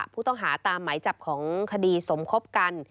ผู้ต้องหาตามหมายจับของคดีสมคบกัน